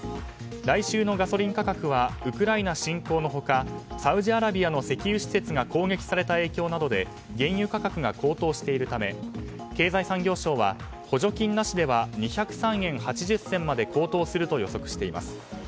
来週のガソリン価格はウクライナ侵攻の他サウジアラビアの石油施設が攻撃された影響などで原油価格が高騰しているため経済産業省は補助金なしでは２０３円８０銭まで高騰すると予測しています。